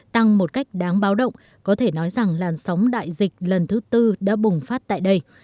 tăng một cách đáng báo động có thể nói rằng làn sóng đại dịch lần thứ tư đã bùng phát tại đây